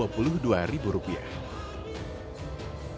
pemprov jati mengatakan